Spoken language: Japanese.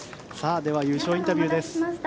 では優勝インタビューです。